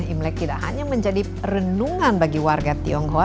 imlek tidak hanya menjadi renungan bagi warga tionghoa